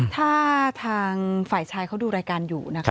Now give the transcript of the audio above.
ถ้าทางฝ่ายชายเขาดูรายการอยู่นะคะ